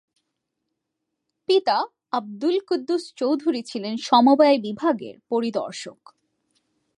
পিতা আবদুল কুদ্দুস চৌধুরী ছিলেন সমবায় বিভাগের পরিদর্শক।